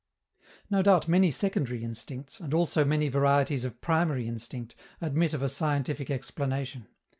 No doubt many secondary instincts, and also many varieties of primary instinct, admit of a scientific explanation.